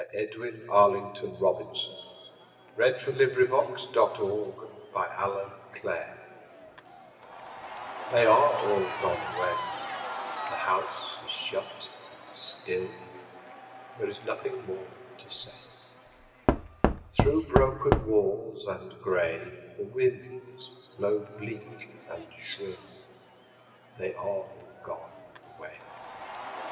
Edwin Arlington Robinson The House on the Hill THEY are all gone away, The house is shut and still, There is nothing more to say. Through broken walls and gray The winds blow bleak and shrill: They are all gone away.